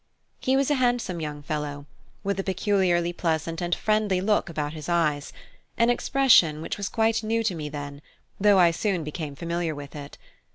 He was a handsome young fellow, with a peculiarly pleasant and friendly look about his eyes, an expression which was quite new to me then, though I soon became familiar with it.